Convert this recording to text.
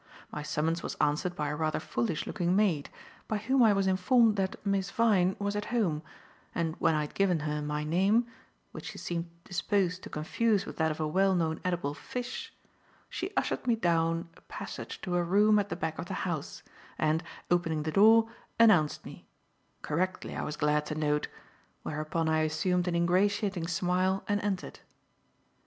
My summons was answered by a rather foolish looking maid, by whom I was informed that Miss Vyne was at home, and when I had given her my name which she seemed disposed to confuse with that of a well known edible fish she ushered me down a passage to a room at the back of the house, and, opening the door, announced me correctly, I was glad to note; whereupon I assumed an ingratiating smile and entered.